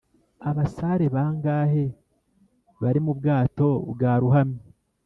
abasare bangahe bari mu bwato bwarohamye?